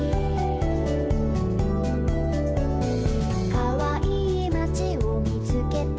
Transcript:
「かわいいまちをみつけたよ」